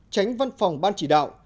tránh văn phòng ban chỉ đạo